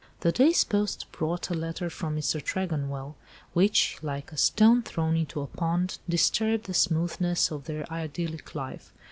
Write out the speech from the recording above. The day's post brought a letter from Mr. Tregonwell, which, like a stone thrown into a pond, disturbed the smoothness of their idyllic life.